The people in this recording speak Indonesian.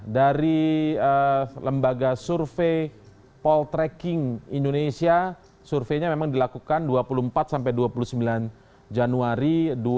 dari lembaga survei poltreking indonesia surveinya memang dilakukan dua puluh empat sampai dua puluh sembilan januari dua ribu dua puluh